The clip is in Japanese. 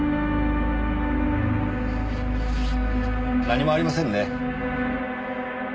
何もありませんね。